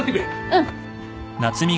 うん。